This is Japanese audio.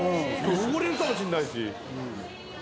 汚れるかもしんないし。